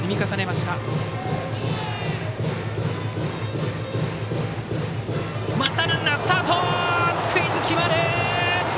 またランナースタート！